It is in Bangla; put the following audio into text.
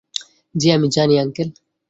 জি, আমি জানি, আঙ্কেল!